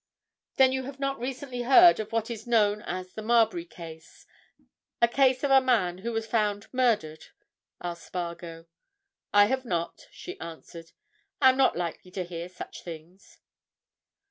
"Then you have not recently heard of what is known as the Marbury case—a case of a man who was found murdered?" asked Spargo. "I have not," she answered. "I am not likely to hear such things."